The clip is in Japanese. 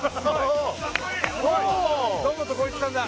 堂本光一さんだ。